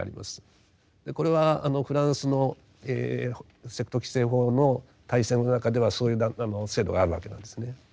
これはフランスのセクト規制法の体制の中ではそういう制度があるわけなんですね。